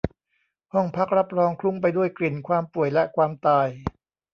ห้องพักรับรองคลุ้งไปด้วยกลิ่นความป่วยและความตาย